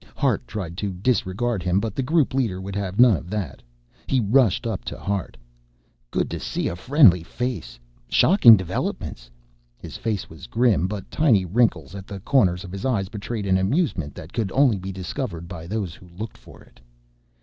Hart tried to disregard him but the group leader would have none of that. He rushed up to Hart. "Good to see a friendly face. Shocking developments!" His face was grim, but tiny wrinkles at the corners of his eyes betrayed an amusement that could only be discovered by those who looked for it.